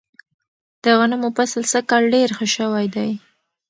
د غنمو فصل سږ کال ډیر ښه شوی دی.